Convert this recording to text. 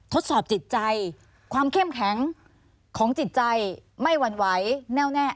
ทดสอบจิตใจความเข้มแข็งของจิตใจไม่หวั่นไหวแน่วแน่